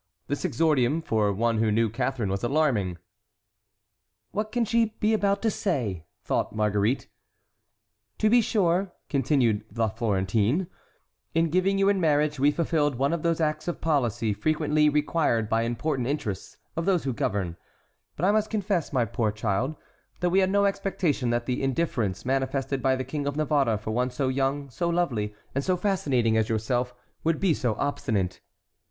This exordium for one who knew Catharine was alarming. "What can she be about to say?" thought Marguerite. "To be sure," continued La Florentine, "in giving you in marriage we fulfilled one of those acts of policy frequently required by important interests of those who govern; but I must confess, my poor child, that we had no expectation that the indifference manifested by the King of Navarre for one so young, so lovely, and so fascinating as yourself would be so obstinate."